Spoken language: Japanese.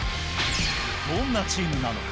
どんなチームなのか。